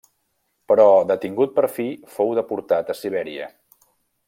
Però, detingut per fi, fou deportat a Sibèria.